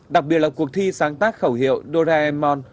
đặc biệt là cuộc thi sáng tác khẩu hiệu doraemon